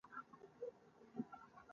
بلکې مشهوره ده چې موږ ازادۍ ګټلې دي.